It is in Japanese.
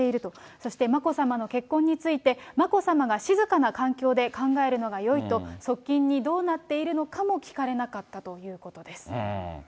そして眞子さまの結婚について、眞子さまが静かな環境で考えるのがよいと、側近にどうなっているのかも聞かれなかったということです。